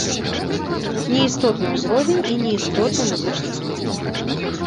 Не істотны ўзровень і не істотны музычны стыль.